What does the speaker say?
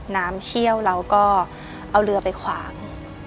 น้ำเชี่ยวเราก็เอาเรือไปขวาง